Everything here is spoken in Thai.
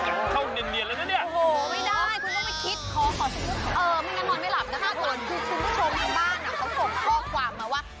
คุณชมของบ้านเขาอบข้อความมาว่า